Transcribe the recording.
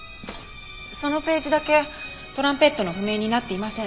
そのページだけトランペットの譜面になっていません。